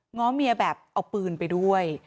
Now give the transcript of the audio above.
้อเมียแบบเอาปืนไปด้วย